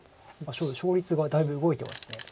勝率がだいぶ動いてます。